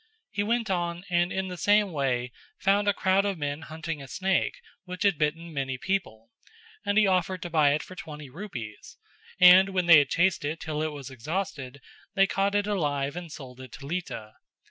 He went on and in the same way found a crowd of men hunting a snake which had bitten many people: and he offered to buy it for twenty rupees and when they had chased it till it was exhausted, they caught it alive and sold it to Lita.